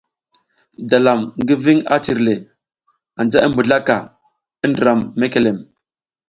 Dalam ngi ving a cirle, anja i mbizlaka i ndram mekelem.